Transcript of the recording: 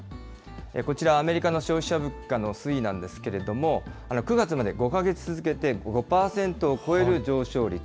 こちら、アメリカの消費者物価の推移なんですけれども、９月まで５か月続けて、５％を超える上昇率。